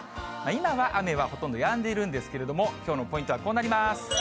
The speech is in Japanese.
今は雨はほとんどやんでいるんですけれども、きょうのポイントはこうなります。